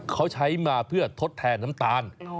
เขาใช้มาเพื่อทดแทนน้ำตาล